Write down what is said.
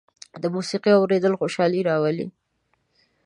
د موسيقۍ اورېدل خوشالي راولي.